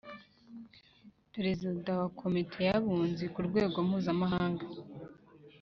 Perezida wa Komite y Abunzi ku rwego mpuzamahanga